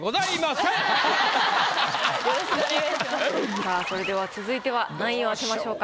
さぁそれでは続いては何位を開けましょうか？